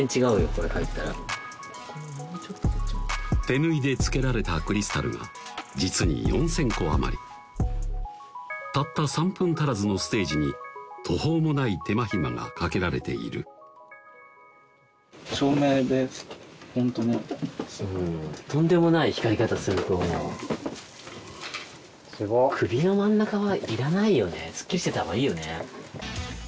これ入ったら手縫いで付けられたクリスタルが実に４０００個余りたった３分足らずのステージに途方もない手間暇がかけられている照明でホントね首の真ん中は要らないよねすっきりしてたほうがいいよね